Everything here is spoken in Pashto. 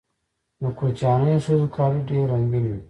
د کوچیانیو ښځو کالي ډیر رنګین وي.